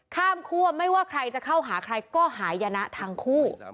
คั่วไม่ว่าใครจะเข้าหาใครก็หายนะทั้งคู่